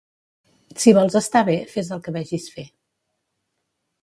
Si vols estar bé, fes el que vegis fer.